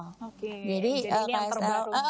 oke jadi ini yang terbarunya